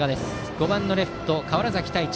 ５番のレフト、川原崎太一。